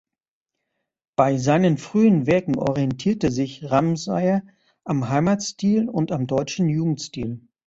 Bei seinen frühen Werken orientierte sich Ramseyer am Heimatstil und am deutschen Jugendstil.